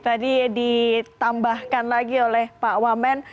tadi ditambahkan lagi oleh pak wamen